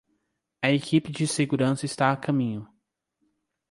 A equipe de segurança está a caminho.